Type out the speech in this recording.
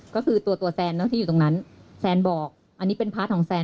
ก็คือตัวตัวแซนที่อยู่ตรงนั้นแซนบอกอันนี้เป็นพาร์ทของแซน